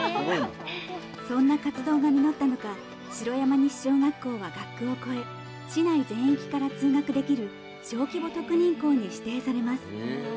そんな活動が実ったのか城山西小学校は学区を越え市内全域から通学できる小規模特認校に指定されます。